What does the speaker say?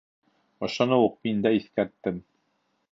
Ошоно уҡ мин дә иҫкәрттем.